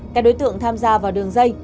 các đối tượng tham gia vào đường dây